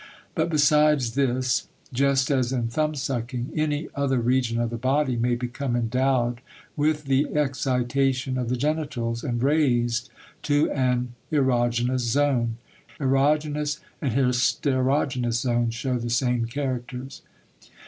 But besides this, just as in thumbsucking, any other region of the body may become endowed with the excitation of the genitals and raised to an erogenous zone. Erogenous and hysterogenous zones show the same characters.